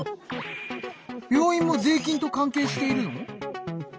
病院も税金と関係しているの？